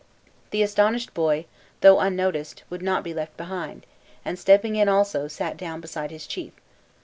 The astonished boy, though unnoticed, would not be left behind, and stepping in also, sat down beside his chief.